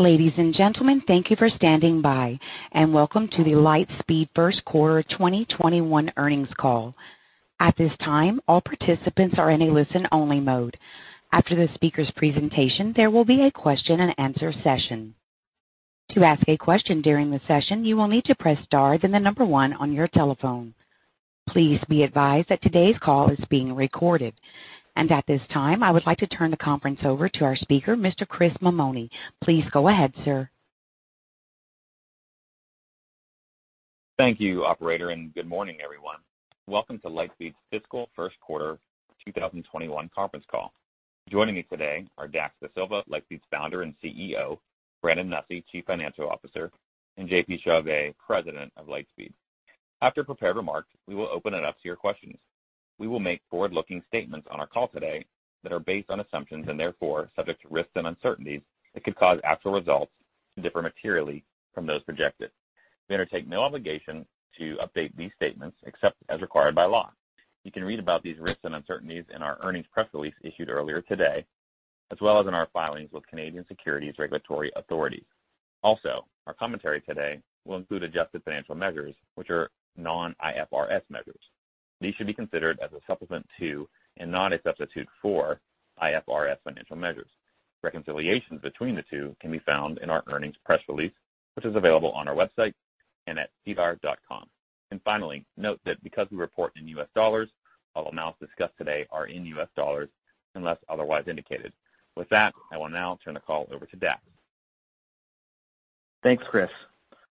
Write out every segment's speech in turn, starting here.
Ladies and gentlemen, thank you for standing by, and welcome to the Lightspeed first quarter 2021 earnings call. At this time, all participants are in a listen-only mode. After the speaker's presentation, there will be a question and answer session. To ask a question during the session, you will need to press star, then the number one on your telephone. Please be advised that today's call is being recorded. At this time, I would like to turn the conference over to our speaker, Mr. Chris Mammone. Please go ahead, sir. Thank you, operator. Good morning, everyone. Welcome to Lightspeed's fiscal first quarter 2021 conference call. Joining me today are Dax Dasilva, Lightspeed's Founder and CEO; Brandon Nussey, Chief Financial Officer; and J.P. Chauvet, President of Lightspeed. After prepared remarks, we will open it up to your questions. We will make forward-looking statements on our call today that are based on assumptions, and therefore subject to risks and uncertainties that could cause actual results to differ materially from those projected. We undertake no obligation to update these statements except as required by law. You can read about these risks and uncertainties in our earnings press release issued earlier today, as well as in our filings with Canadian securities regulatory authorities. Our commentary today will include adjusted financial measures, which are non-IFRS measures. These should be considered as a supplement to and not a substitute for IFRS financial measures. Reconciliations between the two can be found in our earnings press release, which is available on our website and at sedar.com. Finally, note that because we report in U.S. dollars, all amounts discussed today are in U.S. dollars unless otherwise indicated. With that, I will now turn the call over to Dax. Thanks, Chris.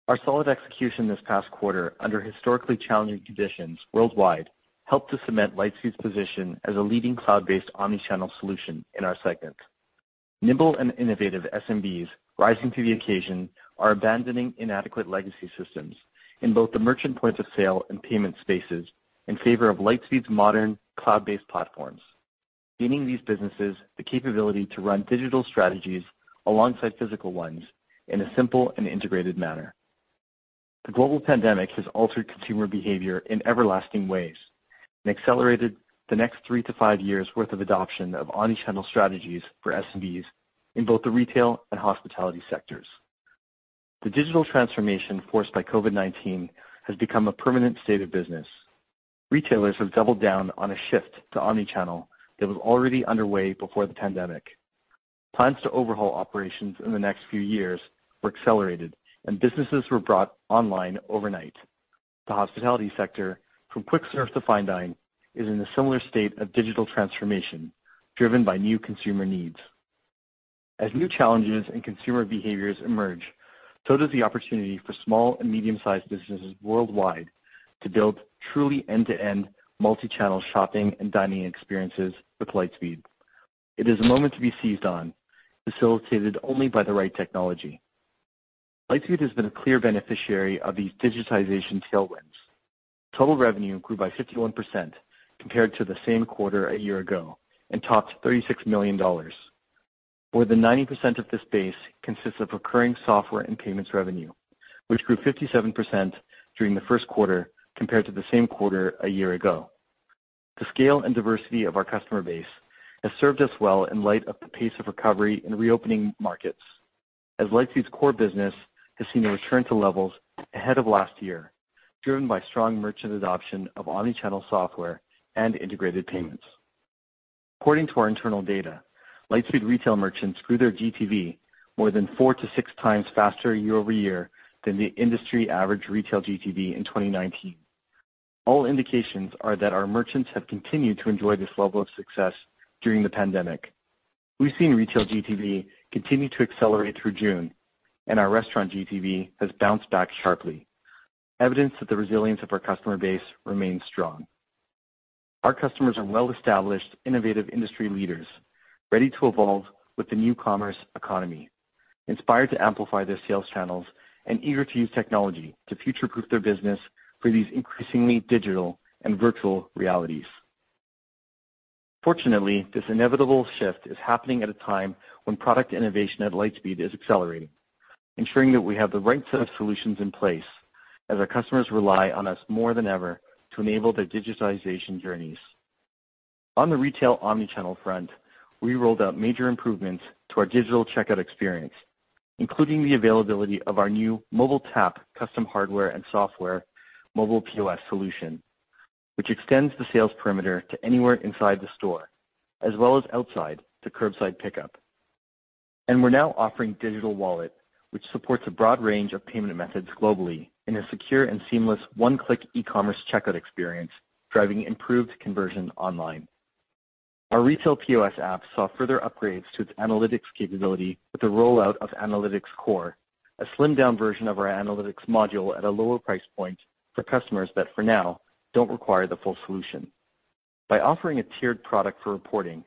Our solid execution this past quarter, under historically challenging conditions worldwide, helped to cement Lightspeed's position as a leading cloud-based omni-channel solution in our segment. Nimble and innovative SMBs, rising to the occasion, are abandoning inadequate legacy systems in both the merchant point of sale and payment spaces in favor of Lightspeed's modern cloud-based platforms, giving these businesses the capability to run digital strategies alongside physical ones in a simple and integrated manner. The global pandemic has altered consumer behavior in everlasting ways and accelerated the next three to five years' worth of adoption of omni-channel strategies for SMBs in both the retail and hospitality sectors. The digital transformation forced by COVID-19 has become a permanent state of business. Retailers have doubled down on a shift to omni-channel that was already underway before the pandemic. Plans to overhaul operations in the next few years were accelerated, and businesses were brought online overnight. The hospitality sector, from quick serve to fine dine, is in a similar state of digital transformation driven by new consumer needs. As new challenges and consumer behaviors emerge, so does the opportunity for small and medium-sized businesses worldwide to build truly end-to-end multi-channel shopping and dining experiences with Lightspeed. It is a moment to be seized on, facilitated only by the right technology. Lightspeed has been a clear beneficiary of these digitization tailwinds. Total revenue grew by 51% compared to the same quarter a year ago and topped $36 million. More than 90% of this base consists of recurring software and payments revenue, which grew 57% during the first quarter compared to the same quarter a year ago. The scale and diversity of our customer base has served us well in light of the pace of recovery in reopening markets, as Lightspeed's core business has seen a return to levels ahead of last year, driven by strong merchant adoption of omni-channel software and integrated payments. According to our internal data, Lightspeed retail merchants grew their GTV more than 4-6x faster year-over-year than the industry average retail GTV in 2019. All indications are that our merchants have continued to enjoy this level of success during the pandemic. We've seen retail GTV continue to accelerate through June, and our restaurant GTV has bounced back sharply, evidence that the resilience of our customer base remains strong. Our customers are well-established, innovative industry leaders ready to evolve with the new commerce economy, inspired to amplify their sales channels, and eager to use technology to future-proof their business for these increasingly digital and virtual realities. Fortunately, this inevitable shift is happening at a time when product innovation at Lightspeed is accelerating, ensuring that we have the right set of solutions in place as our customers rely on us more than ever to enable their digitization journeys. On the retail omni-channel front, we rolled out major improvements to our digital checkout experience, including the availability of our new Mobile Tap custom hardware and software mobile POS solution, which extends the sales perimeter to anywhere inside the store, as well as outside to curbside pickup. We're now offering Digital Wallet, which supports a broad range of payment methods globally in a secure and seamless one-click e-commerce checkout experience, driving improved conversion online. Our retail POS app saw further upgrades to its analytics capability with the rollout of Analytics Core, a slimmed-down version of our analytics module at a lower price point for customers that, for now, don't require the full solution. By offering a tiered product for reporting,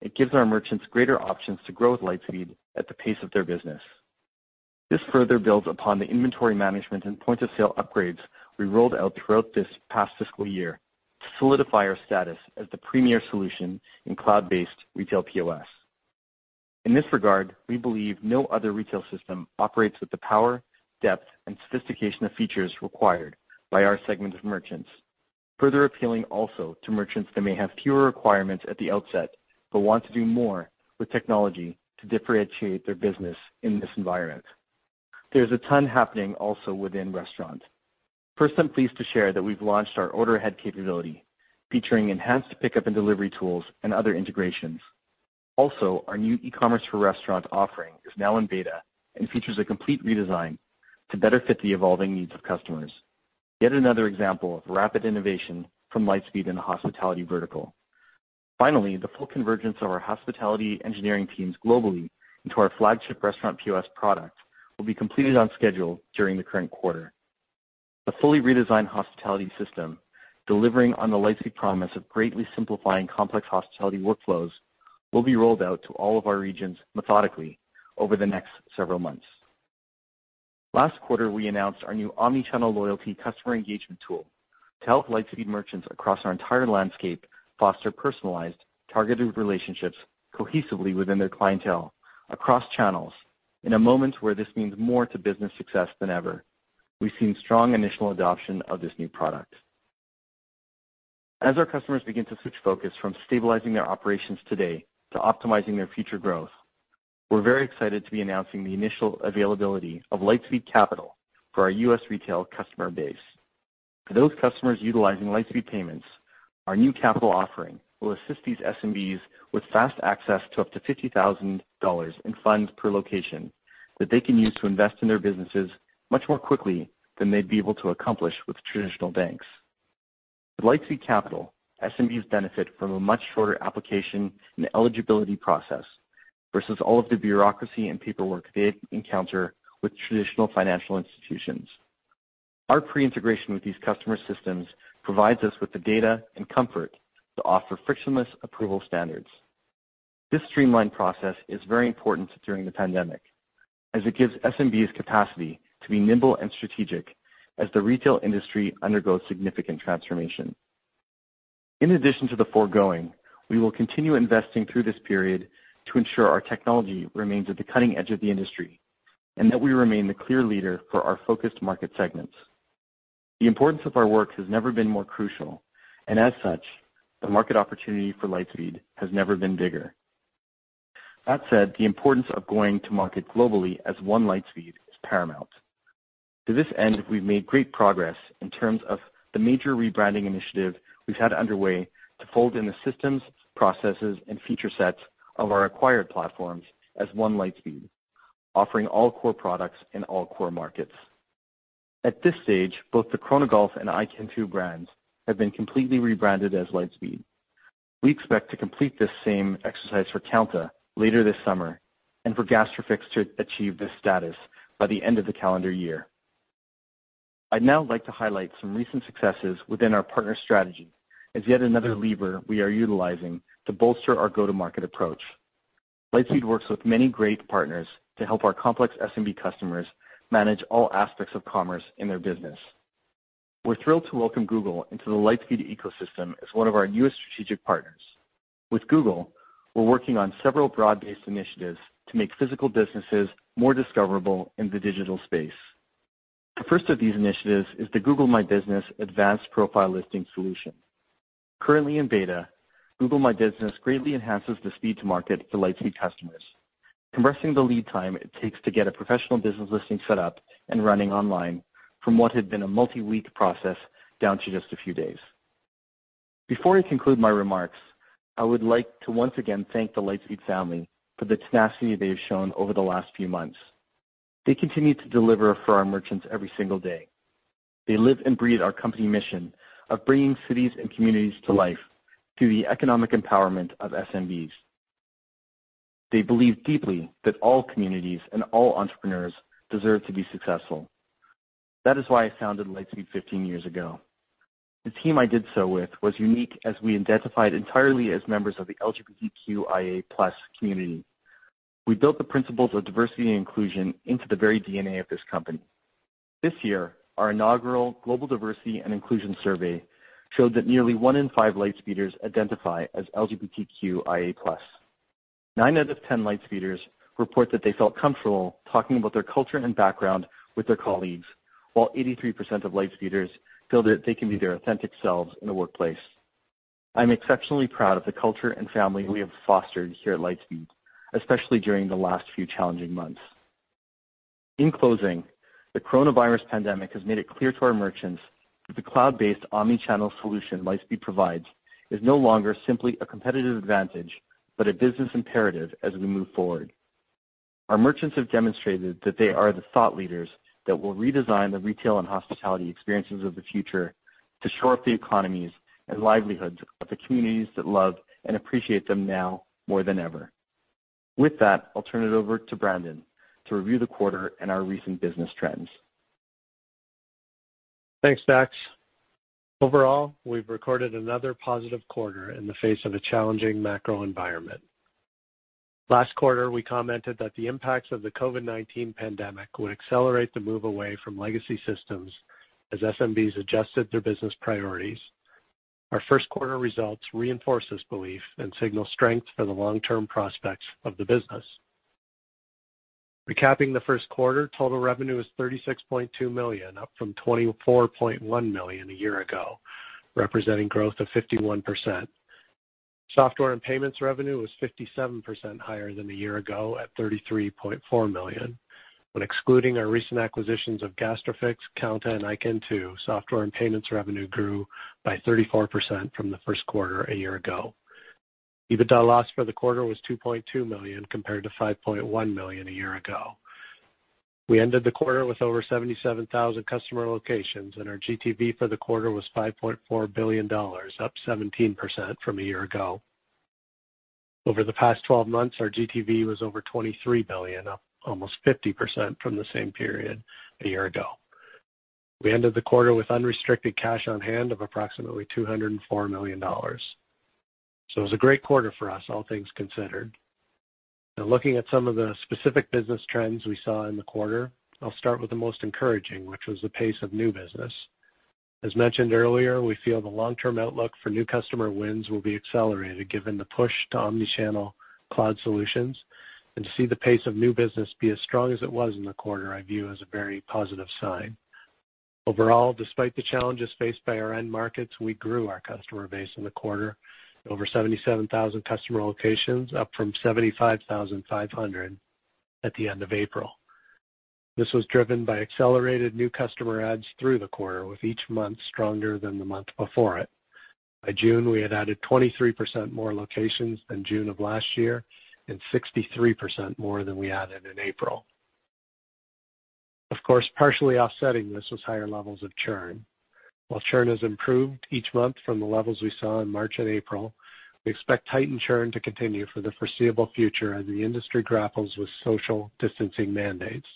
it gives our merchants greater options to grow with Lightspeed at the pace of their business. This further builds upon the inventory management and point of sale upgrades we rolled out throughout this past fiscal year to solidify our status as the premier solution in cloud-based retail POS. In this regard, we believe no other retail system operates with the power, depth, and sophistication of features required by our segment of merchants, further appealing also to merchants that may have fewer requirements at the outset, but want to do more with technology to differentiate their business in this environment. There's a ton happening also within Restaurant. I'm pleased to share that we've launched our Order Ahead capability, featuring enhanced pickup and delivery tools and other integrations. Our new e-commerce for Restaurant offering is now in beta and features a complete redesign to better fit the evolving needs of customers. Another example of rapid innovation from Lightspeed in the hospitality vertical. The full convergence of our hospitality engineering teams globally into our flagship Restaurant POS product will be completed on schedule during the current quarter. The fully redesigned hospitality system, delivering on the Lightspeed promise of greatly simplifying complex hospitality workflows, will be rolled out to all of our regions methodically over the next several months. Last quarter, we announced our new omni-channel loyalty customer engagement tool to help Lightspeed merchants across our entire landscape foster personalized, targeted relationships cohesively within their clientele across channels in a moment where this means more to business success than ever. We've seen strong initial adoption of this new product. As our customers begin to switch focus from stabilizing their operations today to optimizing their future growth, we're very excited to be announcing the initial availability of Lightspeed Capital for our U.S. retail customer base. For those customers utilizing Lightspeed Payments, our new capital offering will assist these SMBs with fast access to up to $50,000 in funds per location that they can use to invest in their businesses much more quickly than they'd be able to accomplish with traditional banks. With Lightspeed Capital, SMBs benefit from a much shorter application and eligibility process versus all of the bureaucracy and paperwork they'd encounter with traditional financial institutions. Our pre-integration with these customer systems provides us with the data and comfort to offer frictionless approval standards. This streamlined process is very important during the pandemic, as it gives SMBs capacity to be nimble and strategic as the retail industry undergoes significant transformation. In addition to the foregoing, we will continue investing through this period to ensure our technology remains at the cutting edge of the industry, and that we remain the clear leader for our focused market segments. The importance of our work has never been more crucial, and as such, the market opportunity for Lightspeed has never been bigger. That said, the importance of going to market globally as One Lightspeed is paramount. To this end, we've made great progress in terms of the major rebranding initiative we've had underway to fold in the systems, processes, and feature sets of our acquired platforms as One Lightspeed, offering all core products in all core markets. At this stage, both the Chronogolf and iKentoo brands have been completely rebranded as Lightspeed. We expect to complete this same exercise for Kounta later this summer, and for Gastrofix to achieve this status by the end of the calendar year. I'd now like to highlight some recent successes within our partner strategy as yet another lever we are utilizing to bolster our go-to-market approach. Lightspeed works with many great partners to help our complex SMB customers manage all aspects of commerce in their business. We're thrilled to welcome Google into the Lightspeed ecosystem as one of our newest strategic partners. With Google, we're working on several broad-based initiatives to make physical businesses more discoverable in the digital space. The first of these initiatives is the Google Business Profile advanced profile listing solution. Currently in beta, Google Business Profile greatly enhances the speed to market for Lightspeed customers, compressing the lead time it takes to get a professional business listing set up and running online from what had been a multi-week process down to just a few days. Before I conclude my remarks, I would like to once again thank the Lightspeed family for the tenacity they have shown over the last few months. They continue to deliver for our merchants every single day. They live and breathe our company mission of bringing cities and communities to life through the economic empowerment of SMBs. They believe deeply that all communities and all entrepreneurs deserve to be successful. That is why I founded Lightspeed 15 years ago. The team I did so with was unique, as we identified entirely as members of the LGBTQIA+ community. We built the principles of diversity and inclusion into the very DNA of this company. This year, our inaugural Global Diversity and Inclusion Survey showed that nearly one in five Lightspeeders identify as LGBTQIA+. Nine out of 10 Lightspeeders report that they felt comfortable talking about their culture and background with their colleagues, while 83% of Lightspeeders feel that they can be their authentic selves in the workplace. I'm exceptionally proud of the culture and family we have fostered here at Lightspeed, especially during the last few challenging months. In closing, the coronavirus pandemic has made it clear to our merchants that the cloud-based omni-channel solution Lightspeed provides is no longer simply a competitive advantage, but a business imperative as we move forward. Our merchants have demonstrated that they are the thought leaders that will redesign the retail and hospitality experiences of the future to shore up the economies and livelihoods of the communities that love and appreciate them now more than ever. With that, I'll turn it over to Brandon to review the quarter and our recent business trends. Thanks, Dax. Overall, we've recorded another positive quarter in the face of a challenging macro environment. Last quarter, we commented that the impacts of the COVID-19 pandemic would accelerate the move away from legacy systems as SMBs adjusted their business priorities. Our first quarter results reinforce this belief and signal strength for the long-term prospects of the business. Recapping the first quarter, total revenue is $36.2 million, up from $24.1 million a year ago, representing growth of 51%. Software and payments revenue was 57% higher than a year ago at $33.4 million. When excluding our recent acquisitions of Gastrofix, Kounta, and iKentoo, software and payments revenue grew by 34% from the first quarter a year ago. EBITDA loss for the quarter was $2.2 million, compared to $5.1 million a year ago. We ended the quarter with over 77,000 customer locations, and our GTV for the quarter was $5.4 billion, up 17% from a year ago. Over the past 12 months, our GTV was over $23 billion, up almost 50% from the same period a year ago. We ended the quarter with unrestricted cash on hand of approximately $204 million. It was a great quarter for us, all things considered. Looking at some of the specific business trends we saw in the quarter, I'll start with the most encouraging, which was the pace of new business. As mentioned earlier, we feel the long-term outlook for new customer wins will be accelerated given the push to omni-channel cloud solutions, and to see the pace of new business be as strong as it was in the quarter I view as a very positive sign. Overall, despite the challenges faced by our end markets, we grew our customer base in the quarter. Over 77,000 customer locations, up from 75,500 at the end of April. This was driven by accelerated new customer adds through the quarter, with each month stronger than the month before it. By June, we had added 23% more locations than June of last year, and 63% more than we added in April. Of course, partially offsetting this was higher levels of churn. While churn has improved each month from the levels we saw in March and April, we expect heightened churn to continue for the foreseeable future as the industry grapples with social distancing mandates.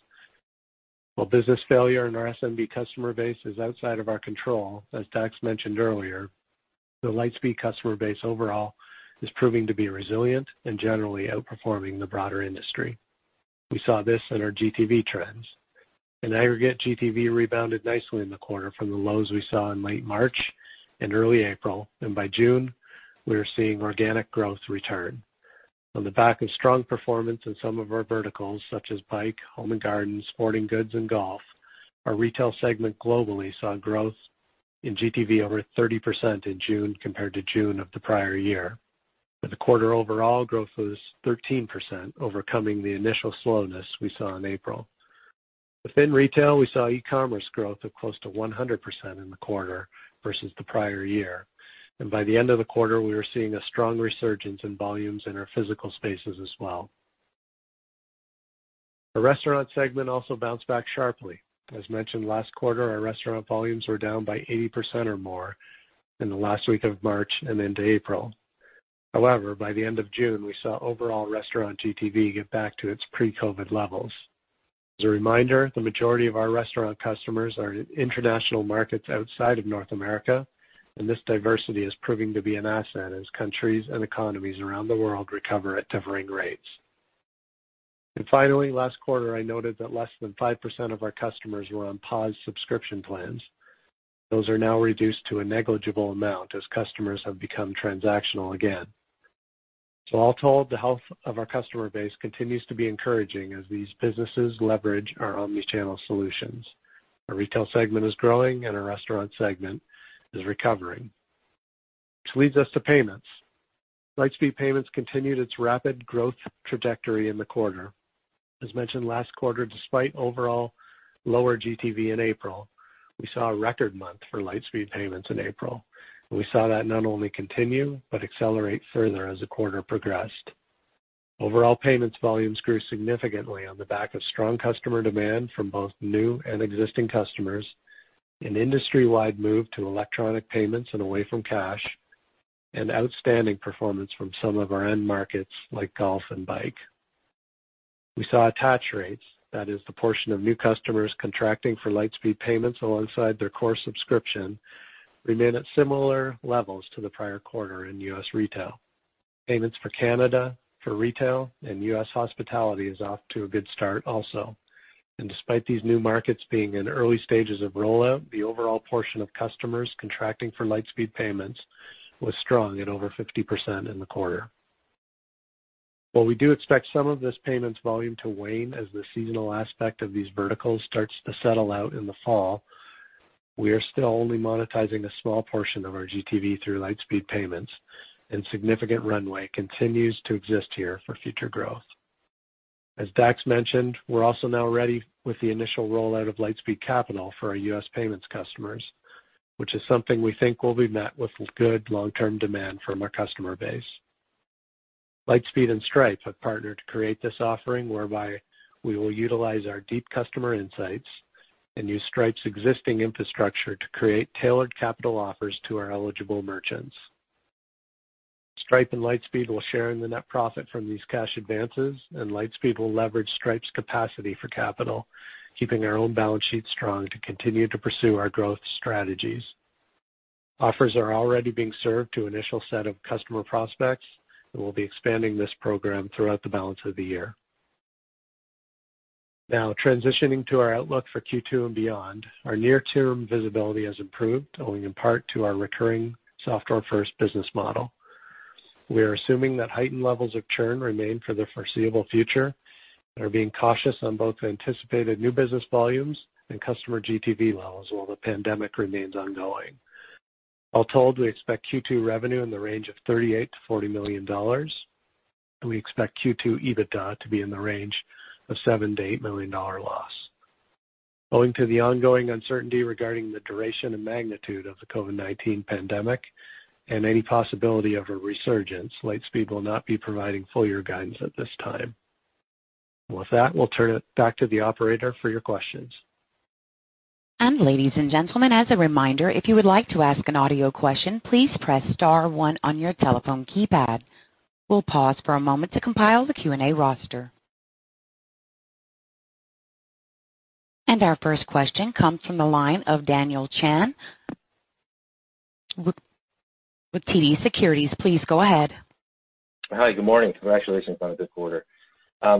While business failure in our SMB customer base is outside of our control, as Dax mentioned earlier, the Lightspeed customer base overall is proving to be resilient and generally outperforming the broader industry. We saw this in our GTV trends. In aggregate, GTV rebounded nicely in the quarter from the lows we saw in late March and early April, and by June, we are seeing organic growth return. On the back of strong performance in some of our verticals, such as bike, home and garden, sporting goods, and golf, our retail segment globally saw growth in GTV over 30% in June compared to June of the prior year. For the quarter overall, growth was 13%, overcoming the initial slowness we saw in April. Within retail, we saw e-commerce growth of close to 100% in the quarter versus the prior year. By the end of the quarter, we were seeing a strong resurgence in volumes in our physical spaces as well. The restaurant segment also bounced back sharply. As mentioned last quarter, our restaurant volumes were down by 80% or more in the last week of March and into April. However, by the end of June, we saw overall restaurant GTV get back to its pre-COVID-19 levels. As a reminder, the majority of our restaurant customers are in international markets outside of North America, and this diversity is proving to be an asset as countries and economies around the world recover at differing rates. Finally, last quarter I noted that less than 5% of our customers were on paused subscription plans. Those are now reduced to a negligible amount as customers have become transactional again. All told, the health of our customer base continues to be encouraging as these businesses leverage our omni-channel solutions. Our retail segment is growing, and our restaurant segment is recovering. Which leads us to payments. Lightspeed Payments continued its rapid growth trajectory in the quarter. As mentioned last quarter, despite overall lower GTV in April, we saw a record month for Lightspeed Payments in April. We saw that not only continue but accelerate further as the quarter progressed. Overall payments volumes grew significantly on the back of strong customer demand from both new and existing customers, an industry-wide move to electronic payments and away from cash, and outstanding performance from some of our end markets like golf and bike. We saw attach rates, that is the portion of new customers contracting for Lightspeed Payments alongside their core subscription, remain at similar levels to the prior quarter in U.S. retail. Payments for Canada, for retail, and U.S. hospitality is off to a good start also. Despite these new markets being in early stages of rollout, the overall portion of customers contracting for Lightspeed Payments was strong at over 50% in the quarter. While we do expect some of this payments volume to wane as the seasonal aspect of these verticals starts to settle out in the fall, we are still only monetizing a small portion of our GTV through Lightspeed Payments, and significant runway continues to exist here for future growth. As Dax mentioned, we're also now ready with the initial rollout of Lightspeed Capital for our U.S. payments customers, which is something we think will be met with good long-term demand from our customer base. Lightspeed and Stripe have partnered to create this offering whereby we will utilize our deep customer insights and use Stripe's existing infrastructure to create tailored capital offers to our eligible merchants. Stripe and Lightspeed will share in the net profit from these cash advances, and Lightspeed will leverage Stripe's capacity for capital, keeping our own balance sheet strong to continue to pursue our growth strategies. Offers are already being served to initial set of customer prospects, and we'll be expanding this program throughout the balance of the year. Now transitioning to our outlook for Q2 and beyond, our near-term visibility has improved, owing in part to our recurring software-first business model. We are assuming that heightened levels of churn remain for the foreseeable future, and are being cautious on both the anticipated new business volumes and customer GTV levels while the pandemic remains ongoing. All told, we expect Q2 revenue in the range of $38 million-$40 million, and we expect Q2 EBITDA to be in the range of $7 million-$8 million loss. Owing to the ongoing uncertainty regarding the duration and magnitude of the COVID-19 pandemic and any possibility of a resurgence, Lightspeed will not be providing full year guidance at this time. With that, we'll turn it back to the operator for your questions. Ladies and gentlemen, as a reminder, Our first question comes from the line of Daniel Chan with TD Securities. Please go ahead. Hi, good morning. Congratulations on a good quarter.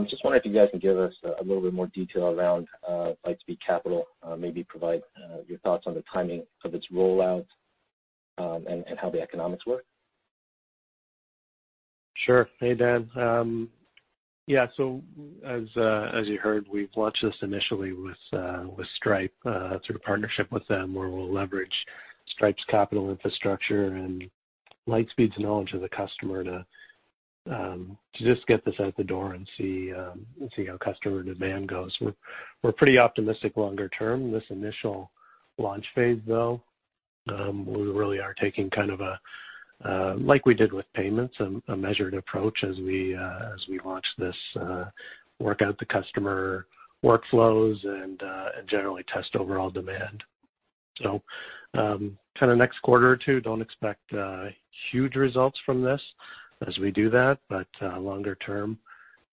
Just wondering if you guys can give us a little bit more detail around Lightspeed Capital, maybe provide your thoughts on the timing of its rollout, and how the economics work? Sure. Hey, Dan. Yeah. As you heard, we've launched this initially with Stripe, sort of partnership with them where we'll leverage Stripe's capital infrastructure and Lightspeed's knowledge of the customer to just get this out the door and see how customer demand goes. We're pretty optimistic longer term. This initial launch phase, though, we really are taking kind of a, like we did with payments, a measured approach as we launch this, work out the customer workflows and generally test overall demand. Next quarter or 2, don't expect huge results from this as we do that. Longer term,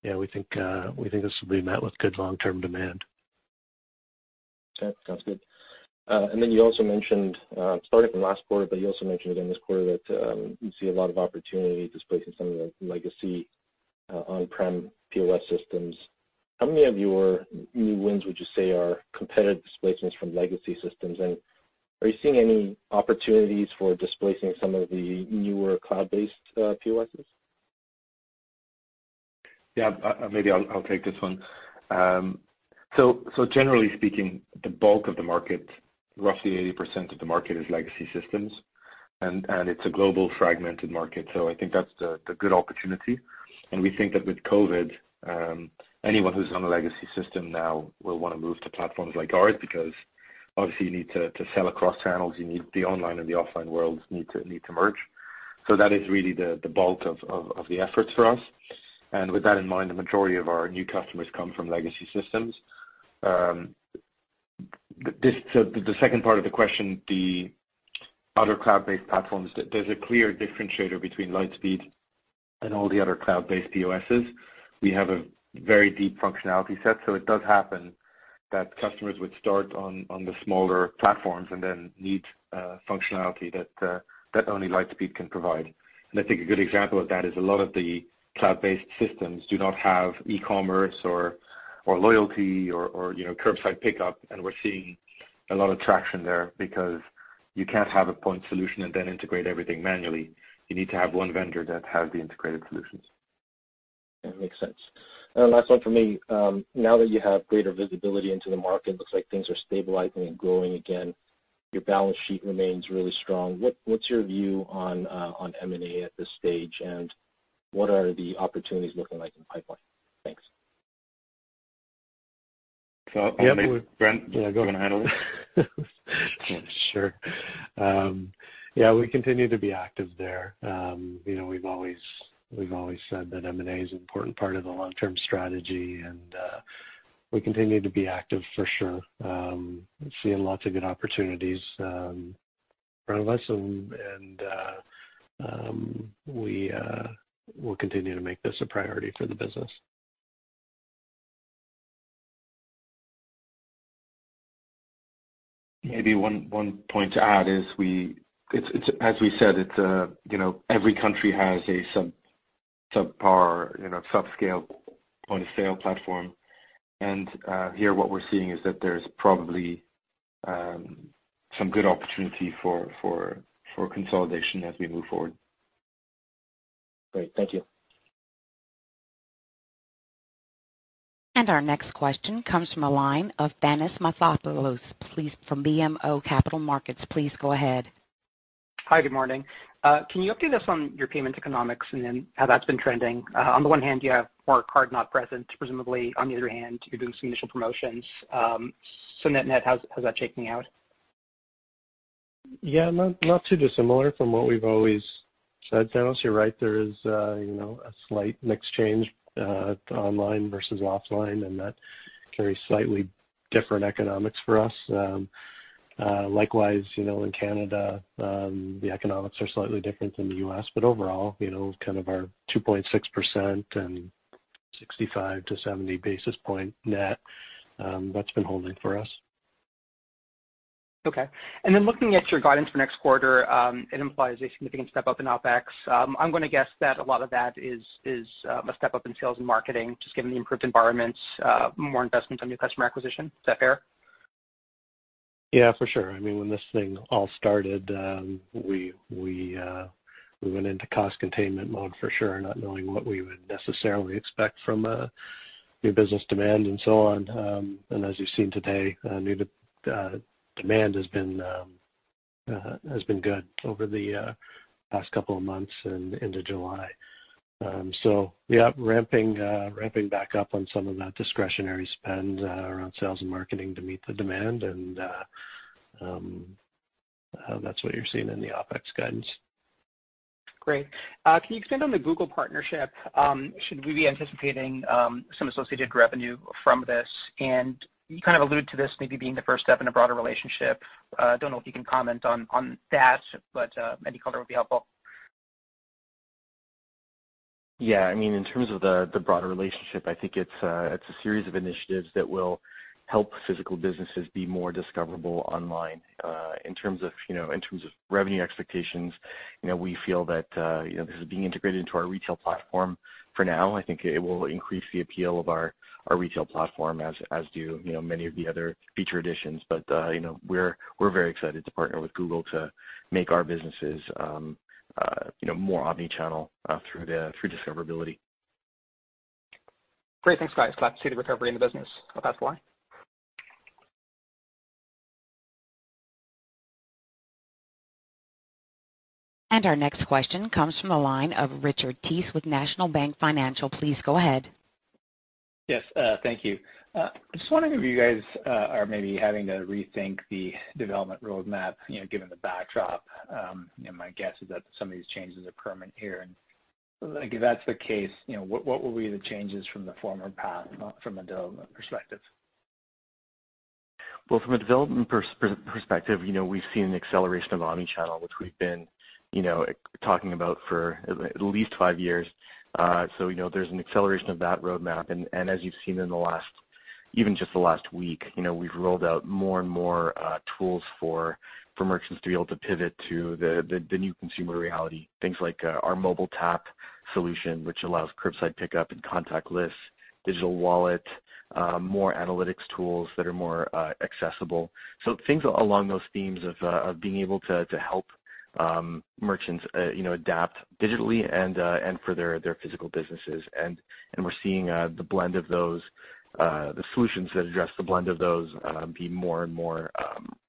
yeah, we think this will be met with good long-term demand. Sure. Sounds good. You also mentioned, started from last quarter, but you also mentioned it in this quarter, that you see a lot of opportunity displacing some of the legacy, on-prem POS systems. How many of your new wins would you say are competitive displacements from legacy systems, and are you seeing any opportunities for displacing some of the newer cloud-based POS systems? Yeah, maybe I'll take this one. Generally speaking, the bulk of the market, roughly 80% of the market is legacy systems, and it's a global fragmented market. I think that's the good opportunity, and we think that with COVID, anyone who's on a legacy system now will want to move to platforms like ours, because obviously you need to sell across channels. The online and the offline worlds need to merge. That is really the bulk of the efforts for us. With that in mind, the majority of our new customers come from legacy systems. The second part of the question, the other cloud-based platforms, there's a clear differentiator between Lightspeed and all the other cloud-based POSs. We have a very deep functionality set, so it does happen that customers would start on the smaller platforms and then need functionality that only Lightspeed can provide. I think a good example of that is a lot of the cloud-based systems do not have e-commerce or loyalty or curbside pickup. We're seeing a lot of traction there because you can't have a point solution and then integrate everything manually. You need to have one vendor that has the integrated solutions. That makes sense. Last one from me. Now that you have greater visibility into the market, looks like things are stabilizing and growing again. Your balance sheet remains really strong. What's your view on M&A at this stage, and what are the opportunities looking like in the pipeline? Thanks. Brandon Nussey, do you want to handle it? Sure. We continue to be active there. We've always said that M&A is an important part of the long-term strategy. We continue to be active for sure. Seeing lots of good opportunities in front of us. We'll continue to make this a priority for the business. One point to add is, as we said, every country has a subpar, subscale point-of-sale platform. Here what we're seeing is that there's probably some good opportunity for consolidation as we move forward. Great. Thank you. Our next question comes from the line of Thanos Moschopoulos from BMO Capital Markets. Please go ahead. Hi, good morning. Can you update us on your payment economics and then how that's been trending? On the one hand, you have more card-not-present, presumably, on the other hand, you're doing some initial promotions. Net-net, how's that shaking out? Not too dissimilar from what we've always said, Thanos. You're right. There is a slight mix change at online versus offline, and that carries slightly different economics for us. Likewise, in Canada, the economics are slightly different than the U.S., but overall, kind of our 2.6% and 65-70 basis points net, that's been holding for us. Okay. Looking at your guidance for next quarter, it implies a significant step up in OpEx. I'm going to guess that a lot of that is a step up in sales and marketing, just given the improved environments, more investment on new customer acquisition. Is that fair? Yeah, for sure. When this thing all started, we went into cost containment mode for sure, not knowing what we would necessarily expect from a new business demand and so on. As you've seen today, new demand has been good over the past couple of months and into July. Yeah, ramping back up on some of that discretionary spend around sales and marketing to meet the demand, and that's what you're seeing in the OPEX guidance. Great. Can you expand on the Google partnership? Should we be anticipating some associated revenue from this? You kind of alluded to this maybe being the first step in a broader relationship. Don't know if you can comment on that, but any color would be helpful. Yeah. In terms of the broader relationship, I think it's a series of initiatives that will help physical businesses be more discoverable online. In terms of revenue expectations, we feel that this is being integrated into our retail platform for now. I think it will increase the appeal of our retail platform, as do many of the other feature additions. We're very excited to partner with Google to make our businesses more omnichannel through discoverability. Great. Thanks, guys. Glad to see the recovery in the business. I'll pass the line. Our next question comes from the line of Richard Tse with National Bank Financial. Please go ahead. Yes, thank you. Just wondering if you guys are maybe having to rethink the development roadmap, given the backdrop. My guess is that some of these changes are permanent here, and if that's the case, what will be the changes from the former path from a development perspective? From a development perspective, we've seen an acceleration of omnichannel, which we've been talking about for at least five years. There's an acceleration of that roadmap, and as you've seen even just the last week, we've rolled out more and more tools for merchants to be able to pivot to the new consumer reality. Things like our Mobile Tap solution, which allows curbside pickup and contactless, Digital Wallet, more analytics tools that are more accessible. Things along those themes of being able to help merchants adapt digitally and for their physical businesses. We're seeing the solutions that address the blend of those be more and more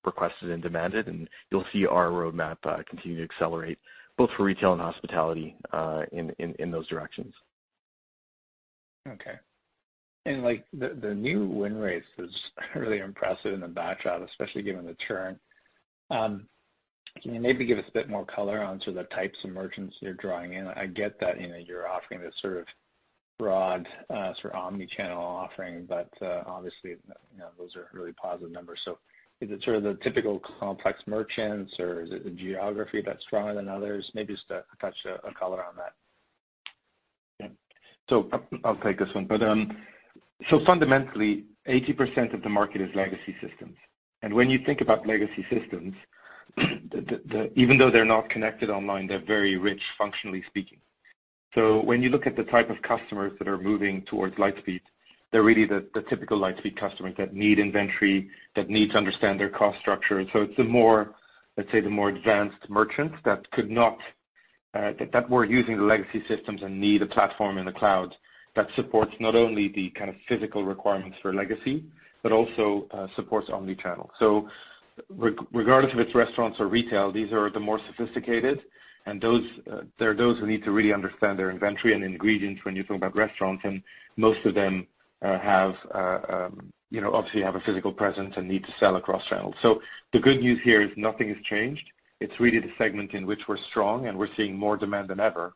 requested and demanded, and you'll see our roadmap continue to accelerate both for retail and hospitality in those directions. Okay. The new win rates is really impressive in the backdrop, especially given the churn. Can you maybe give us a bit more color on sort of the types of merchants you're drawing in? I get that you're offering this sort of broad sort of omnichannel offering, but obviously, those are really positive numbers. Is it sort of the typical complex merchants, or is it the geography that's stronger than others? Maybe just a touch, a color on that. I'll take this one. Fundamentally, 80% of the market is legacy systems. When you think about legacy systems, even though they're not connected online, they're very rich, functionally speaking. When you look at the type of customers that are moving towards Lightspeed, they're really the typical Lightspeed customers that need inventory, that need to understand their cost structure. It's the more, let's say, the more advanced merchants that were using the legacy systems and need a platform in the cloud that supports not only the kind of physical requirements for legacy, but also supports omnichannel. Regardless if it's restaurants or retail, these are the more sophisticated, and they're those who need to really understand their inventory and ingredients when you think about restaurants, and most of them obviously have a physical presence and need to sell across channels. The good news here is nothing has changed. It's really the segment in which we're strong, and we're seeing more demand than ever.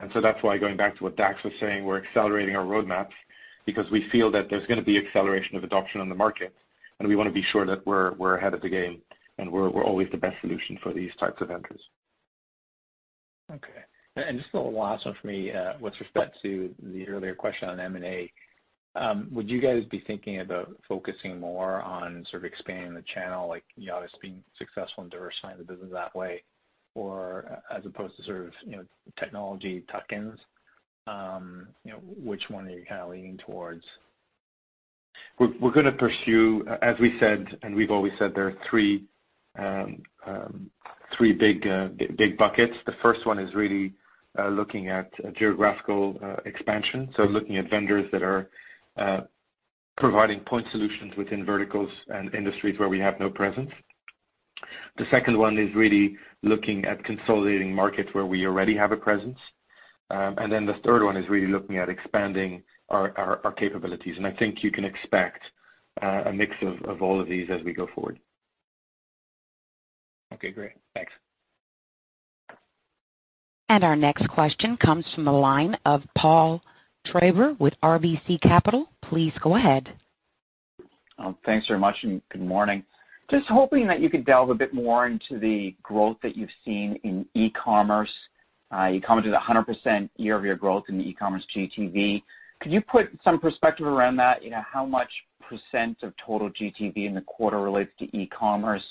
That's why going back to what Dax was saying, we're accelerating our roadmaps because we feel that there's going to be acceleration of adoption on the market, and we want to be sure that we're ahead of the game and we're always the best solution for these types of ventures. Okay. Just the last one from me, with respect to the earlier question on M&A, would you guys be thinking about focusing more on sort of expanding the channel, obviously being successful in diversifying the business that way, or as opposed to sort of technology tuck-ins? Which one are you kind of leaning towards? We're going to pursue, as we said, and we've always said, there are three big buckets. The first one is really looking at geographical expansion, looking at vendors that are providing point solutions within verticals and industries where we have no presence. The second one is really looking at consolidating markets where we already have a presence. The third one is really looking at expanding our capabilities. I think you can expect a mix of all of these as we go forward. Okay, great. Thanks. Our next question comes from the line of Paul Treiber with RBC Capital. Please go ahead. Thanks very much, and good morning. Just hoping that you could delve a bit more into the growth that you've seen in e-commerce. You commented 100% year-over-year growth in the e-commerce GTV. Could you put some perspective around that, how much % of total GTV in the quarter relates to e-commerce,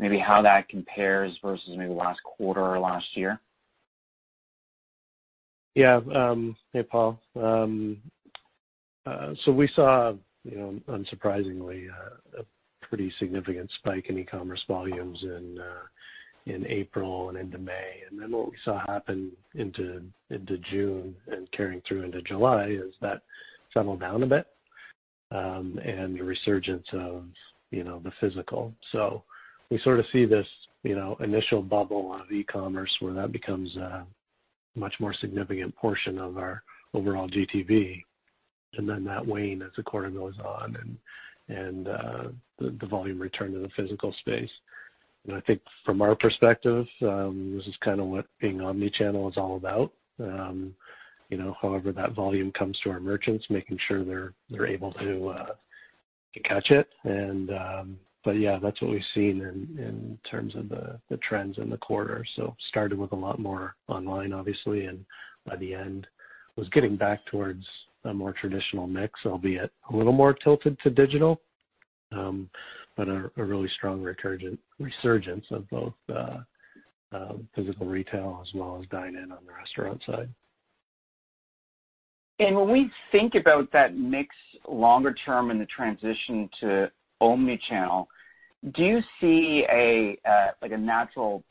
maybe how that compares versus maybe last quarter or last year? Yeah. Hey, Paul. We saw, unsurprisingly, a pretty significant spike in e-commerce volumes in April and into May. What we saw happen into June and carrying through into July is that settled down a bit, and a resurgence of the physical. We sort of see this initial bubble of e-commerce where that becomes a much more significant portion of our overall GTV. That wane as the quarter goes on, and the volume return to the physical space. I think from our perspective, this is kind of what being omni-channel is all about. However that volume comes to our merchants, making sure they're able to catch it. Yeah, that's what we've seen in terms of the trends in the quarter. Started with a lot more online, obviously, and by the end was getting back towards a more traditional mix, albeit a little more tilted to digital. A really strong resurgence of both physical retail as well as dine-in on the restaurant side. When we think about that mix longer term in the transition to omni-channel, do you see a natural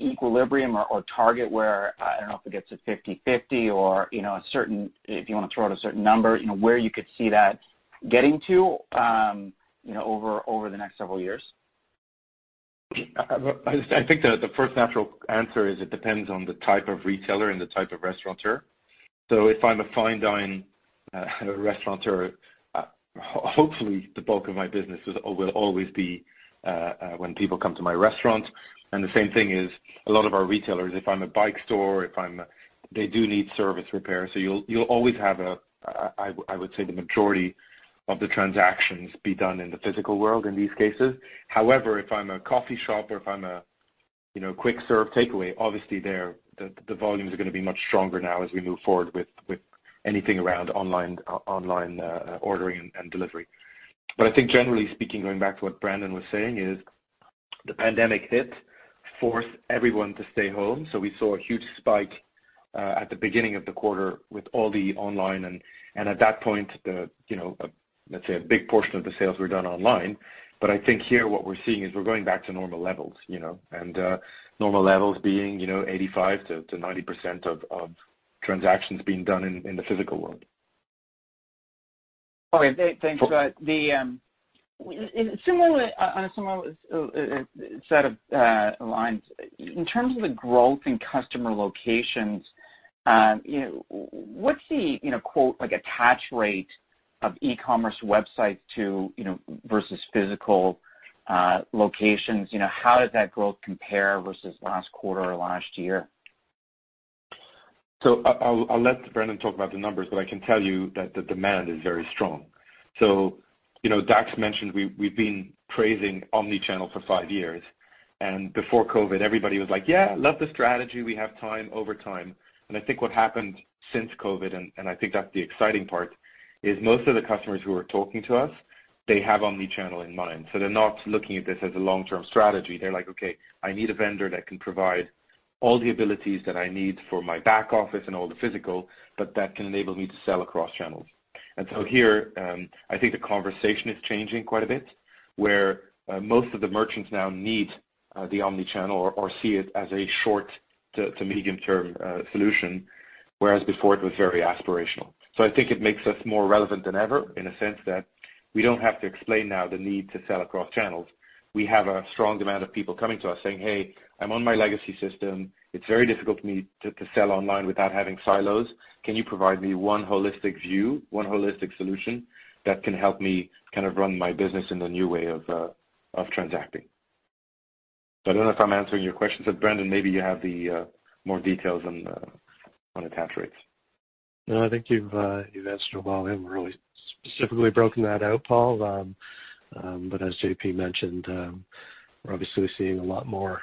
equilibrium or target where, I don't know if it gets to 50/50 or if you want to throw out a certain number, where you could see that getting to over the next several years? I think the first natural answer is it depends on the type of retailer and the type of restaurateur. If I'm a fine dine restaurateur, hopefully the bulk of my business will always be when people come to my restaurant. The same thing is a lot of our retailers, if I'm a bike store, they do need service repairs. You'll always have, I would say, the majority of the transactions be done in the physical world in these cases. However, if I'm a coffee shop or if I'm a quick serve takeaway, obviously the volumes are going to be much stronger now as we move forward with anything around online ordering and delivery. I think generally speaking, going back to what Brandon was saying, is the pandemic hit forced everyone to stay home. We saw a huge spike at the beginning of the quarter with all the online, and at that point, let's say a big portion of the sales were done online. I think here what we're seeing is we're going back to normal levels, and normal levels being 85%-90% of transactions being done in the physical world. Okay. Thanks. On a similar set of lines, in terms of the growth in customer locations, what's the "attach rate" of e-commerce websites versus physical locations? How does that growth compare versus last quarter or last year? I'll let Brandon Nussey talk about the numbers, but I can tell you that the demand is very strong. Dax Dasilva mentioned we've been praising omni-channel for five years, and before COVID, everybody was like, "Yeah, love the strategy. We have time over time." I think what happened since COVID, and I think that's the exciting part, is most of the customers who are talking to us, they have omni-channel in mind. They're not looking at this as a long-term strategy. They're like, "Okay, I need a vendor that can provide all the abilities that I need for my back office and all the physical, but that can enable me to sell across channels." Here, I think the conversation is changing quite a bit, where most of the merchants now need the omni-channel or see it as a short to medium term solution, whereas before, it was very aspirational. I think it makes us more relevant than ever in a sense that we don't have to explain now the need to sell across channels. We have a strong demand of people coming to us saying, "Hey, I'm on my legacy system. It's very difficult for me to sell online without having silos. Can you provide me one holistic view, one holistic solution that can help me kind of run my business in the new way of transacting. I don't know if I'm answering your question. Brandon, maybe you have more details on attach rates. No, I think you've answered it well. We haven't really specifically broken that out, Paul. As JP mentioned, we're obviously seeing a lot more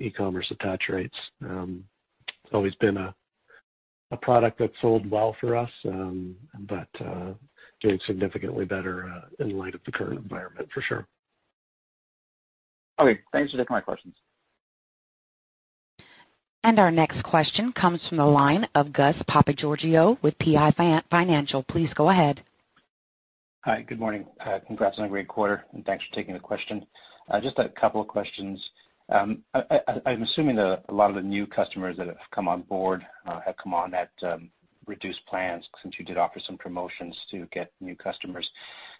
e-commerce attach rates. It's always been a product that sold well for us, but doing significantly better in light of the current environment, for sure. Okay. Thanks for taking my questions. Our next question comes from the line of Gus Papageorgiou with PI Financial. Please go ahead. Hi, good morning. Congrats on a great quarter, and thanks for taking the question. Just a couple of questions. I'm assuming that a lot of the new customers that have come on board have come on at reduced plans, since you did offer some promotions to get new customers.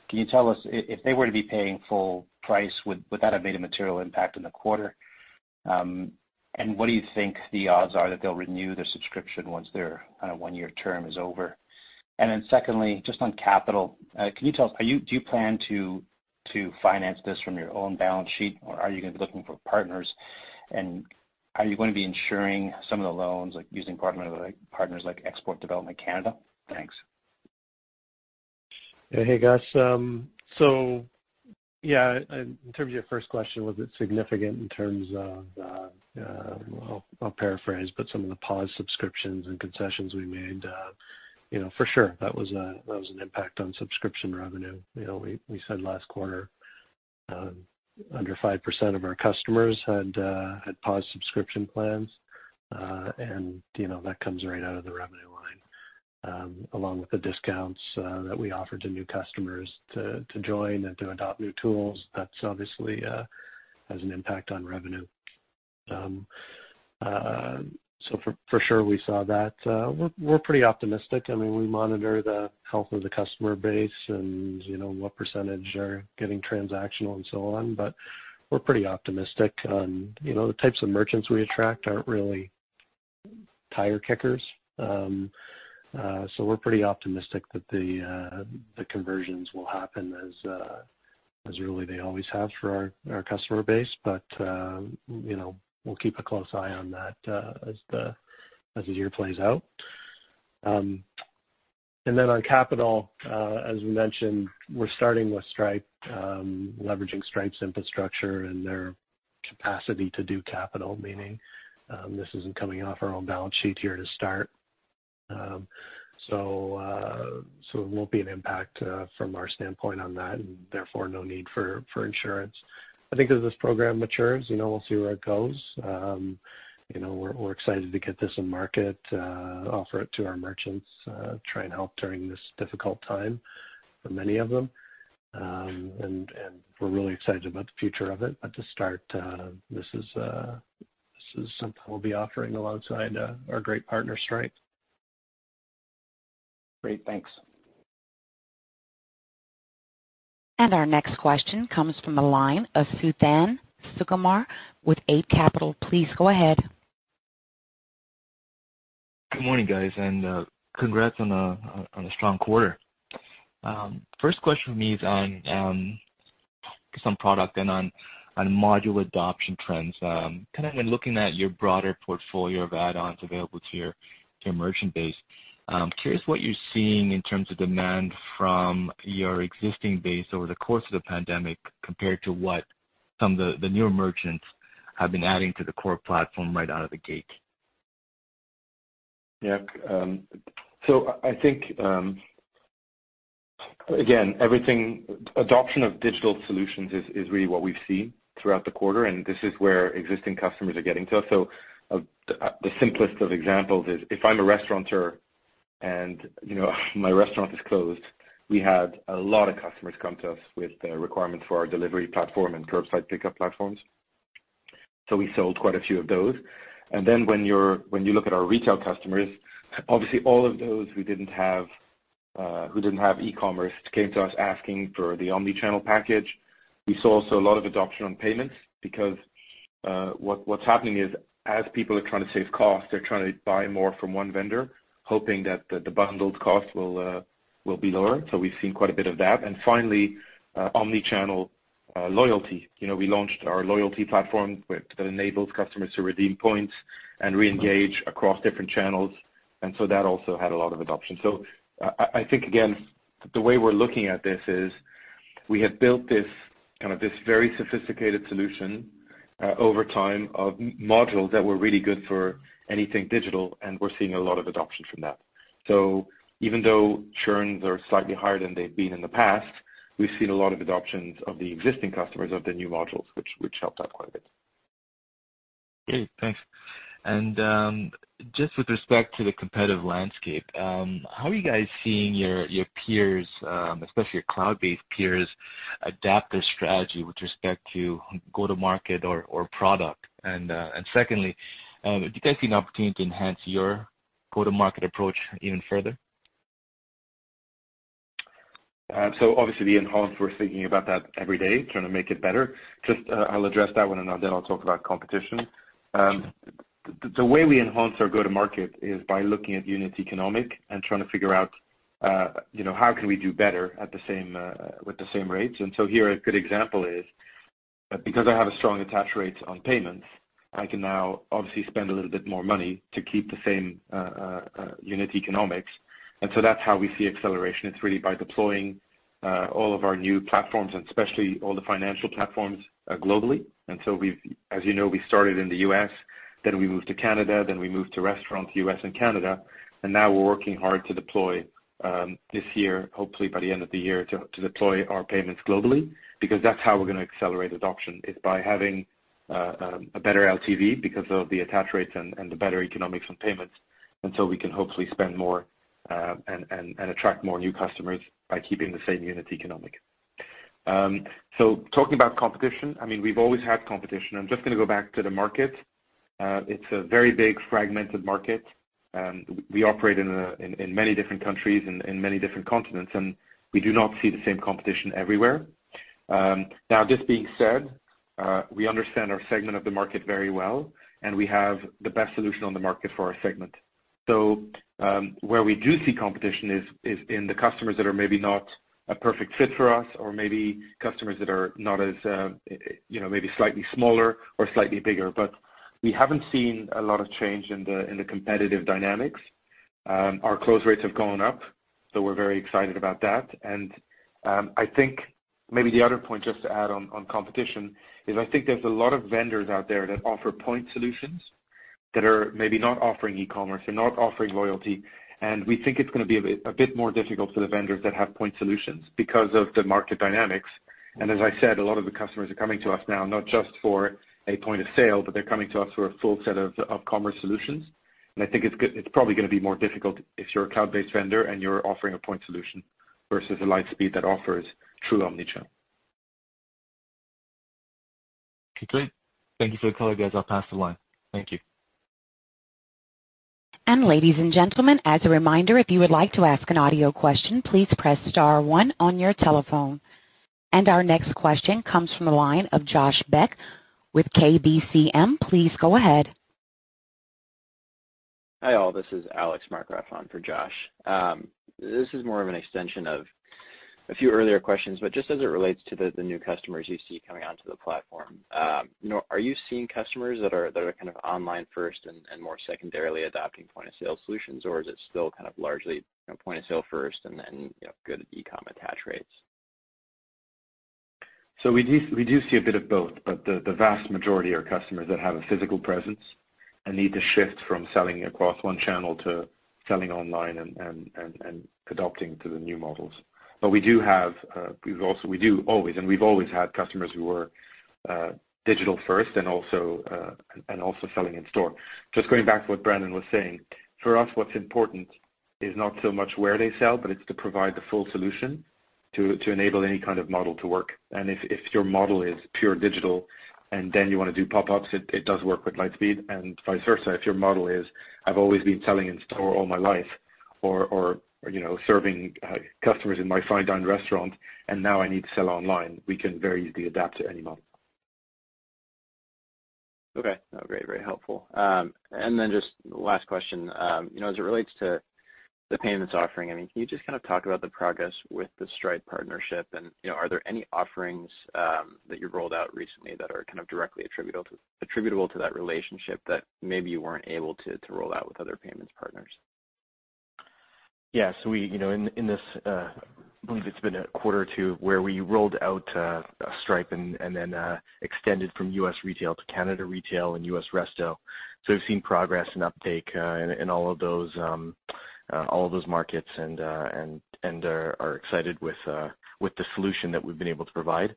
Can you tell us, if they were to be paying full price, would that have made a material impact in the quarter? What do you think the odds are that they'll renew their subscription once their one-year term is over? Secondly, just on capital, can you tell us, do you plan to finance this from your own balance sheet, or are you going to be looking for partners? Are you going to be insuring some of the loans, like using partners like Export Development Canada? Thanks. Hey, Gus. Yeah, in terms of your first question, was it significant in terms of, I'll paraphrase, but some of the pause subscriptions and concessions we made. For sure, that was an impact on subscription revenue. We said last quarter, under 5% of our customers had paused subscription plans. That comes right out of the revenue line, along with the discounts that we offer to new customers to join and to adopt new tools. That obviously has an impact on revenue. For sure, we saw that. We're pretty optimistic. We monitor the health of the customer base and what percentage are getting transactional and so on. We're pretty optimistic on the types of merchants we attract aren't really tire kickers. We're pretty optimistic that the conversions will happen as really they always have for our customer base. We'll keep a close eye on that as the year plays out. Then on capital, as we mentioned, we're starting with Stripe, leveraging Stripe's infrastructure and their capacity to do capital, meaning this isn't coming off our own balance sheet here to start. It won't be an impact from our standpoint on that, and therefore no need for insurance. I think as this program matures, we'll see where it goes. We're excited to get this in market, offer it to our merchants, try and help during this difficult time for many of them. We're really excited about the future of it. To start, this is something we'll be offering alongside our great partner, Stripe. Great. Thanks. Our next question comes from the line of Suthan Sukumar with Eight Capital. Please go ahead. Good morning, guys, and congrats on a strong quarter. First question for me is on some product and on module adoption trends. Kind of in looking at your broader portfolio of add-ons available to your merchant base, curious what you're seeing in terms of demand from your existing base over the course of the pandemic compared to what some of the newer merchants have been adding to the core platform right out of the gate. Yeah. I think, again, adoption of digital solutions is really what we've seen throughout the quarter, and this is where existing customers are getting to us. The simplest of examples is if I'm a restaurateur and my restaurant is closed, we had a lot of customers come to us with the requirement for our delivery platform and curbside pickup platforms. We sold quite a few of those. Then when you look at our retail customers, obviously all of those who didn't have e-commerce came to us asking for the omni-channel package. We saw also a lot of adoption on payments because what's happening is as people are trying to save costs, they're trying to buy more from one vendor, hoping that the bundled cost will be lower. We've seen quite a bit of that. Finally, omni-channel loyalty. We launched our loyalty platform that enables customers to redeem points and reengage across different channels, and so that also had a lot of adoption. I think, again, the way we're looking at this is we have built this very sophisticated solution over time of modules that were really good for anything digital, and we're seeing a lot of adoption from that. Even though churns are slightly higher than they've been in the past, we've seen a lot of adoptions of the existing customers of the new modules, which helped out quite a bit. Great. Thanks. Just with respect to the competitive landscape, how are you guys seeing your peers, especially your cloud-based peers, adapt their strategy with respect to go to market or product? Secondly, do you guys see an opportunity to enhance your go-to-market approach even further? Obviously the enhance, we're thinking about that every day, trying to make it better. Just I'll address that one, then I'll talk about competition. The way we enhance our go to market is by looking at unit economics and trying to figure out how can we do better with the same rates. Here, a good example is because I have a strong attach rate on payments, I can now obviously spend a little bit more money to keep the same unit economics. That's how we see acceleration. It's really by deploying all of our new platforms and especially all the financial platforms globally. As you know, we started in the U.S., then we moved to Canada, then we moved to restaurant U.S. and Canada, and now we're working hard to deploy this year, hopefully by the end of the year, to deploy our payments globally. That's how we're going to accelerate adoption, is by having a better LTV because of the attach rates and the better economics on payments, we can hopefully spend more and attract more new customers by keeping the same unit economic. Talking about competition, we've always had competition. I'm just going to go back to the market. It's a very big fragmented market. We operate in many different countries and many different continents, and we do not see the same competition everywhere. This being said, we understand our segment of the market very well, and we have the best solution on the market for our segment. Where we do see competition is in the customers that are maybe not a perfect fit for us or maybe customers that are maybe slightly smaller or slightly bigger. We haven't seen a lot of change in the competitive dynamics. Our close rates have gone up. We're very excited about that. I think maybe the other point just to add on competition is I think there's a lot of vendors out there that offer point solutions that are maybe not offering e-commerce, they're not offering loyalty, and we think it's going to be a bit more difficult for the vendors that have point solutions because of the market dynamics. As I said, a lot of the customers are coming to us now, not just for a point of sale, but they're coming to us for a full set of commerce solutions. I think it's probably going to be more difficult if you're a cloud-based vendor and you're offering a point solution versus a Lightspeed that offers true omni-channel. Okay, great. Thank you for the color, guys. I'll pass the line. Thank you. Our next question comes from the line of Josh Beck with KBCM. Please go ahead. Hi, all. This is Alex Markgraff on for Josh. This is more of an extension of a few earlier questions, but just as it relates to the new customers you see coming onto the platform, are you seeing customers that are kind of online first and more secondarily adopting point-of-sale solutions, or is it still kind of largely point of sale first and then good e-com attach rates? We do see a bit of both, but the vast majority are customers that have a physical presence and need to shift from selling across one channel to selling online and adopting to the new models. We do always, and we've always had customers who were digital first and also selling in store. Just going back to what Brandon was saying, for us, what's important is not so much where they sell, but it's to provide the full solution to enable any kind of model to work. If your model is pure digital and then you want to do pop-ups, it does work with Lightspeed and vice versa. If your model is, I've always been selling in store all my life or serving customers in my fine dine restaurant, and now I need to sell online, we can very easily adapt to any model. Okay. No, very helpful. Just last question. As it relates to the payments offering, can you just kind of talk about the progress with the Stripe partnership and are there any offerings that you've rolled out recently that are kind of directly attributable to that relationship that maybe you weren't able to roll out with other payments partners? Yeah. In this, I believe it's been a quarter or two where we rolled out Stripe and then extended from U.S. retail to Canada retail and U.S. resto. We've seen progress and uptake in all of those markets and are excited with the solution that we've been able to provide.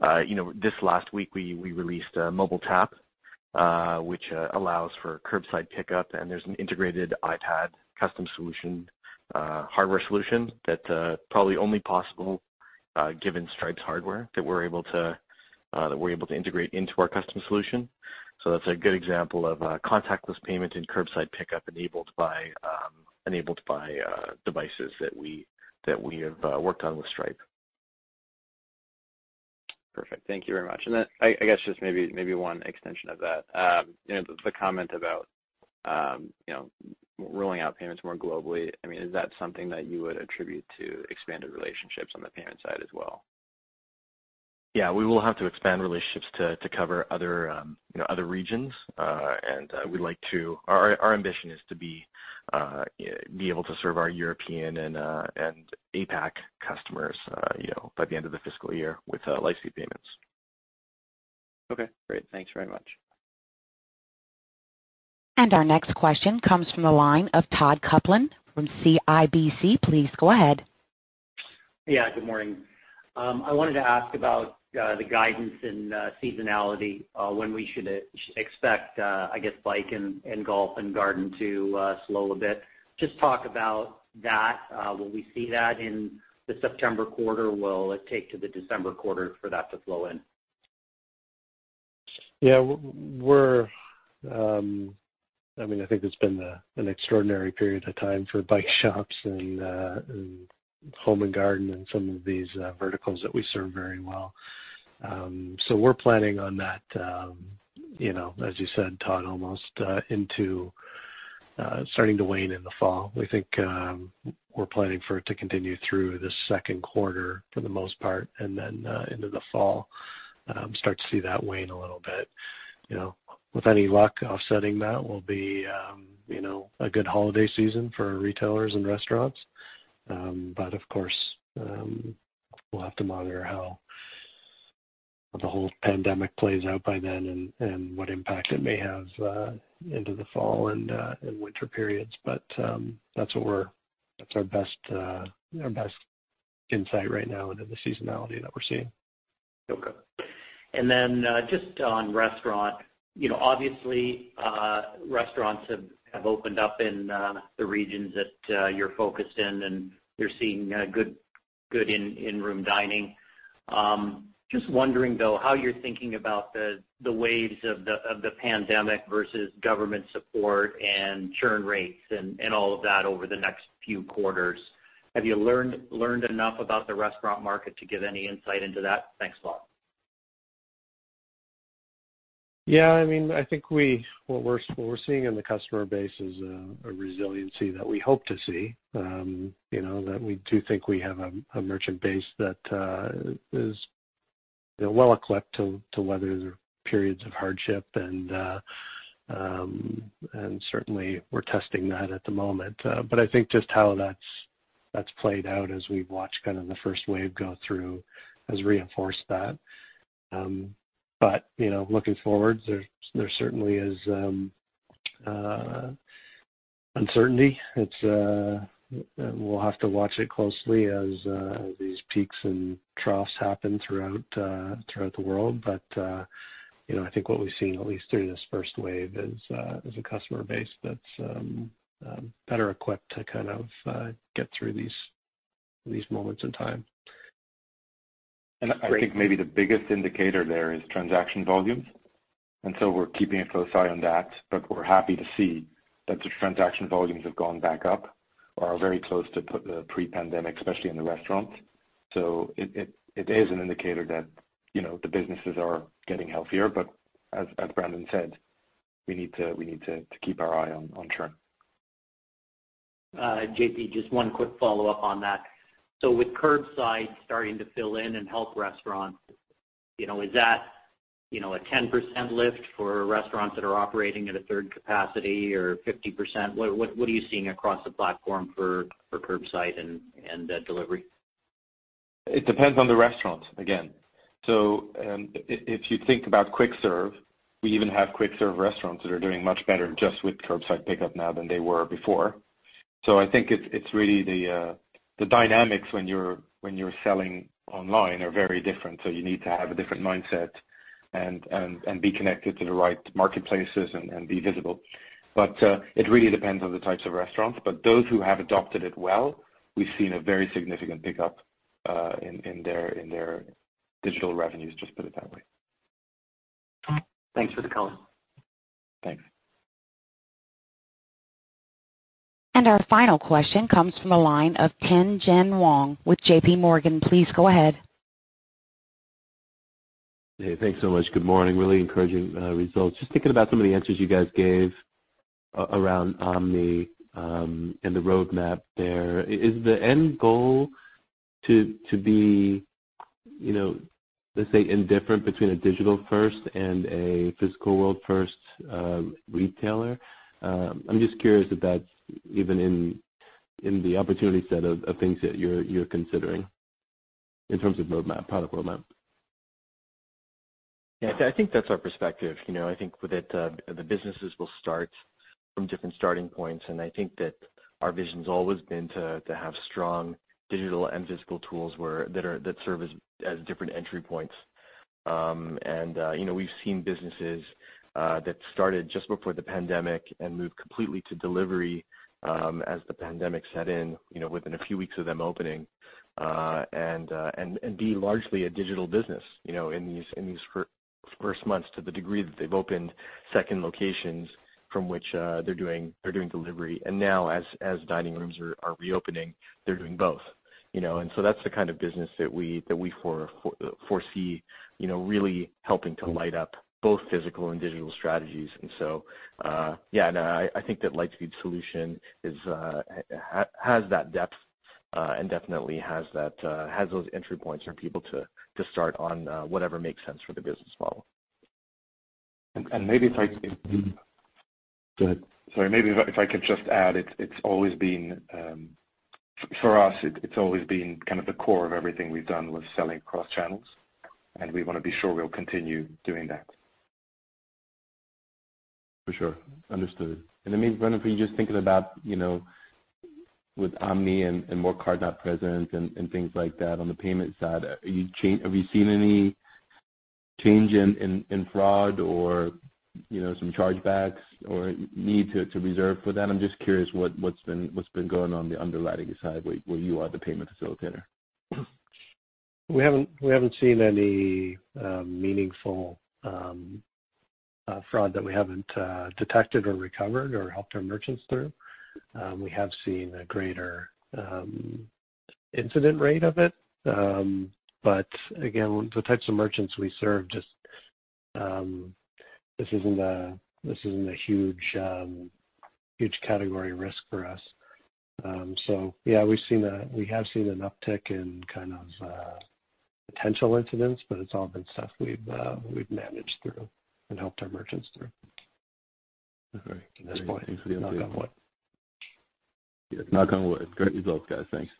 This last week, we released a Mobile Tap, which allows for curbside pickup, and there's an integrated iPad custom solution, hardware solution that probably only possible given Stripe's hardware that we're able to integrate into our custom solution. That's a good example of contactless payment and curbside pickup enabled by devices that we have worked on with Stripe. Perfect. Thank you very much. I guess just maybe one extension of that. The comment about rolling out payments more globally, is that something that you would attribute to expanded relationships on the payment side as well? Yeah. We will have to expand relationships to cover other regions. Our ambition is to be able to serve our European and APAC customers by the end of the fiscal year with Lightspeed Payments. Okay, great. Thanks very much. Our next question comes from the line of Todd Coupland from CIBC. Please go ahead. Good morning. I wanted to ask about the guidance and seasonality, when we should expect, I guess, bike and golf and garden to slow a bit. Just talk about that. Will we see that in the September quarter? Will it take to the December quarter for that to flow in? Yeah. I think it's been an extraordinary period of time for bike shops and home and garden and some of these verticals that we serve very well. We're planning on that, as you said, Todd, almost into starting to wane in the fall. We think we're planning for it to continue through the second quarter for the most part, and then into the fall, start to see that wane a little bit. With any luck, offsetting that will be a good holiday season for retailers and restaurants. Of course, we'll have to monitor how the whole pandemic plays out by then and what impact it may have into the fall and winter periods. That's our best insight right now into the seasonality that we're seeing. Okay. Just on restaurant, obviously, restaurants have opened up in the regions that you're focused in, and you're seeing good in-room dining. Wondering, though, how you're thinking about the waves of the pandemic versus government support and churn rates and all of that over the next few quarters. Have you learned enough about the restaurant market to give any insight into that? Thanks a lot. Yeah. I think what we're seeing in the customer base is a resiliency that we hope to see, that we do think we have a merchant base that They're well-equipped to weather the periods of hardship, and certainly, we're testing that at the moment. I think just how that's played out as we've watched the first wave go through has reinforced that. Looking forward, there certainly is uncertainty. We'll have to watch it closely as these peaks and troughs happen throughout the world. I think what we've seen, at least through this first wave, is a customer base that's better equipped to get through these moments in time. I think maybe the biggest indicator there is transaction volumes. We're keeping a close eye on that. We're happy to see that the transaction volumes have gone back up or are very close to pre-pandemic, especially in the restaurants. It is an indicator that the businesses are getting healthier. As Brandon said, we need to keep our eye on churn. JP, just one quick follow-up on that. With curbside starting to fill in and help restaurants, is that a 10% lift for restaurants that are operating at a third capacity or 50%? What are you seeing across the platform for curbside and delivery? It depends on the restaurant, again. If you think about quick-serve, we even have quick-serve restaurants that are doing much better just with curbside pickup now than they were before. I think it's really the dynamics when you're selling online are very different, so you need to have a different mindset and be connected to the right marketplaces and be visible. It really depends on the types of restaurants. Those who have adopted it well, we've seen a very significant pickup in their digital revenues, just put it that way. Thanks for the color. Thanks. Our final question comes from the line of Tien-Tsin Huang with JPMorgan. Please go ahead. Hey, thanks so much. Good morning. Really encouraging results. Just thinking about some of the answers you guys gave around omni and the roadmap there. Is the end goal to be, let's say, indifferent between a digital-first and a physical world-first retailer? I'm just curious if that's even in the opportunity set of things that you're considering in terms of roadmap, product roadmap. Yeah, I think that's our perspective. I think that the businesses will start from different starting points, and I think that our vision's always been to have strong digital and physical tools that serve as different entry points. We've seen businesses that started just before the pandemic and moved completely to delivery as the pandemic set in within a few weeks of them opening, and be largely a digital business in these first months to the degree that they've opened second locations from which they're doing delivery. Now, as dining rooms are reopening, they're doing both. That's the kind of business that we foresee really helping to light up both physical and digital strategies. Yeah, no, I think that Lightspeed solution has that depth and definitely has those entry points for people to start on whatever makes sense for the business model. And maybe if I could- Go ahead. Sorry, maybe if I could just add, for us, it's always been kind of the core of everything we've done with selling across channels. We want to be sure we'll continue doing that. For sure. Understood. Maybe, Brandon, for you, just thinking about with omni and more card-not-present and things like that on the payment side, have you seen any change in fraud or some chargebacks or need to reserve for that? I'm just curious what's been going on the underwriting side where you are the payment facilitator. We haven't seen any meaningful fraud that we haven't detected or recovered or helped our merchants through. We have seen a greater incident rate of it. Again, with the types of merchants we serve, just this isn't a huge category risk for us. Yeah, we have seen an uptick in potential incidents, but it's all been stuff we've managed through and helped our merchants through. Okay. At this point. Knock on wood. Yeah, knock on wood. Great results, guys. Thanks.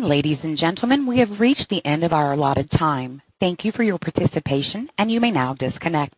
Ladies and gentlemen, we have reached the end of our allotted time. Thank you for your participation. You may now disconnect.